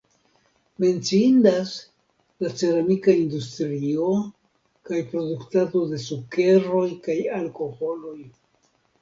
Menciindas la ceramika industrio kaj produktado de sukeroj kaj alkoholoj.